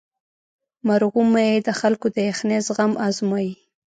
مرغومی د خلکو د یخنۍ زغم ازمويي.